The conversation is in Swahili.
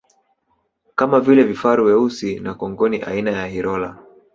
Kama vile vifaru weusi na kongoni aina ya Hirola